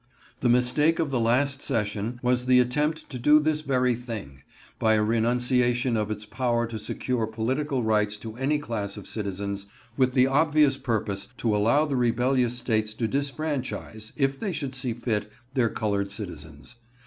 The mistake of the last session was the attempt to do this very thing, by a renunciation of its power to secure political rights to any class of citizens, with the obvious purpose to allow the rebellious States to disfranchise, if they should see fit, their colored citizens.